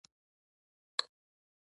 د ارګون بازار لوی دی